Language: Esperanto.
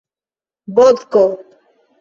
vodko